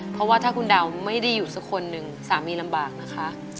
เพราะว่าถ้าคุณดาวไม่ได้อยู่สักคนหนึ่งสามีลำบากนะคะ